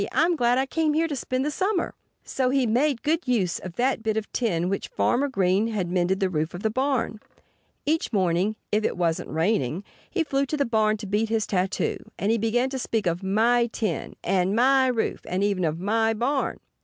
I'm glad I came here to spend the summer." So he made good use of that bit of tin with which Farmer Green had mended the roof of the barn. Each morning (if it wasn't raining) he flew to the barn to beat his tattoo. And he began to speak of "My tin," and "My roof"—and even of "My barn!"